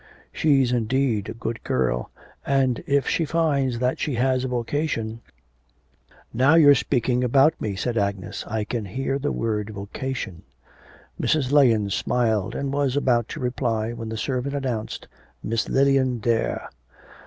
'She's indeed a good girl, and if she finds that she has a vocation ' 'Now, you are speaking about me,' said Agnes. 'I can hear the word vocation.' Mrs. Lahens smiled and was about to reply when the servant announced Miss Lilian Dare.